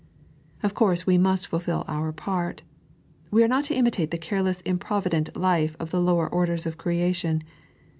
Of course we must fulfil our part. We are not to imitate the careless improvident life lA the lower orders of creation.